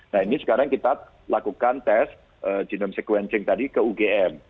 nah ini sekarang kita lakukan tes genome sequencing tadi ke ugm